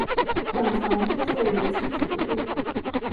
馆藏特色为亲子读物。